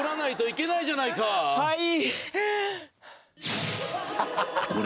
はい。